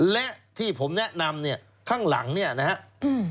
และที่ผมแนะนำเนี่ยข้างหลังเนี่ยนะครับ